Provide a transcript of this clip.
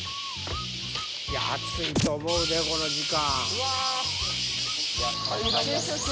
いや暑いと思うでこの時間。